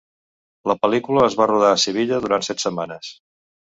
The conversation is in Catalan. La pel·lícula es va rodar a Sevilla durant set setmanes.